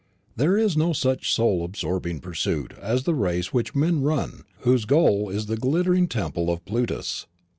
There is no such soul absorbing pursuit as the race which men run whose goal is the glittering Temple of Plutus.